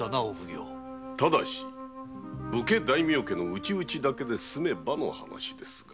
ただし武家大名家の内々だけで済めばの話ですが。